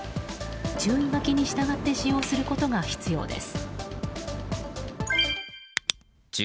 注意書きに従って使用することが必要です。